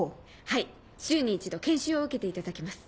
はい週に一度研修を受けていただきます。